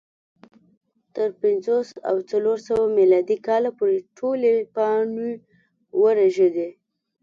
تر پنځوس او څلور سوه میلادي کاله پورې ټولې پاڼې ورژېدې